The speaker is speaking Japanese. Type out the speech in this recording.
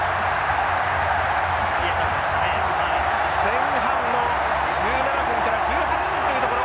前半の１７分から１８分というところ。